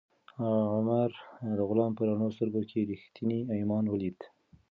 عمر د غلام په رڼو سترګو کې ریښتینی ایمان ولید.